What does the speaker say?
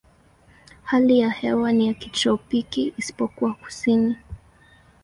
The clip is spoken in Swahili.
Hali ya hewa ni ya kitropiki isipokuwa kusini.